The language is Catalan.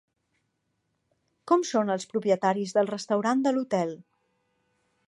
Com són els propietaris del restaurant de l'hotel?